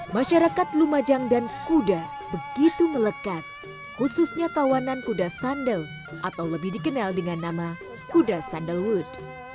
masyarakat lumajang dan kuda begitu melekat khususnya tawanan kuda sandal atau lebih dikenal dengan nama kuda sandalwood